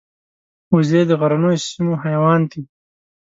وزې د غرنیو سیمو حیوان دي